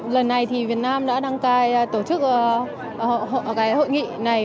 lần này thì việt nam đã đăng cài tổ chức hội nghị này